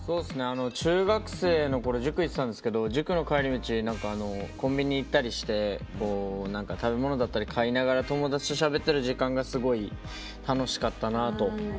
中学生の頃塾行っていたんですけど塾の帰り道コンビニ行ったりして食べ物だったり買いながら友達としゃべってる時間がすごい楽しかったなと。